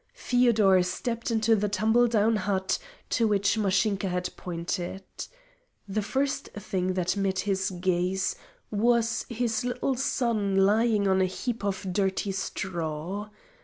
Feodor stepped into the tumble down hut to which Mashinka had pointed. The first thing that met his gaze was his little son lying on a heap of dirty straw.